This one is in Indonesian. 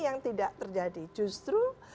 yang tidak terjadi justru